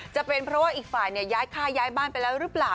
จะเป็นเพราะว่าอีกฝ่ายย้ายค่าย้ายบ้านไปแล้วหรือเปล่า